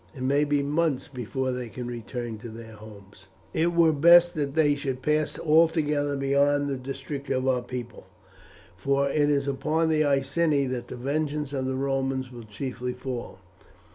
It may be months before they can return to their homes. It were best that they should pass altogether beyond the district of our people, for it is upon the Iceni that the vengeance of the Romans will chiefly fall.